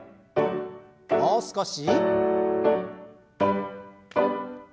もう少し。